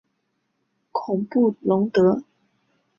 孔布龙德。